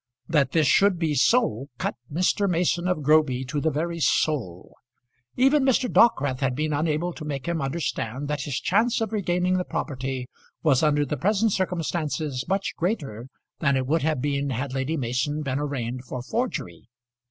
That this should be so cut Mr. Mason of Groby to the very soul. Even Mr. Dockwrath had been unable to make him understand that his chance of regaining the property was under the present circumstances much greater than it would have been had Lady Mason been arraigned for forgery.